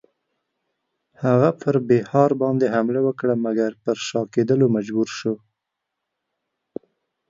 هغه پر بیهار باندی حمله وکړه مګر پر شا کېدلو مجبور شو.